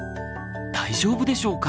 大丈夫でしょうか？